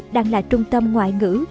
đang là trung tâm ngoại ngữ